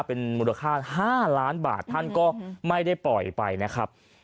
เป็นมูลค่า๕ล้านบาทท่านก็ไม่ได้ปล่อยไปนะครับ